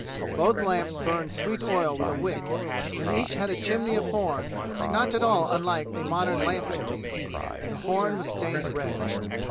Both lamps burned sweet oil with a wick, and each had a chimney of horn, not at all unlike a modern lamp chimney. The horn was stained red.